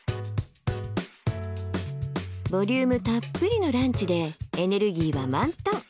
ボリュームたっぷりのランチでエネルギーは満タン。